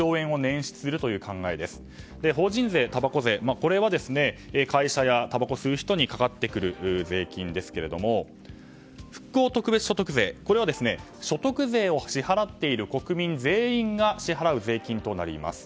これは会社、たばこを吸う人にかかわってくる税金ですが復興特別所得税、これは所得税を支払っている国民全員が支払う税金となります。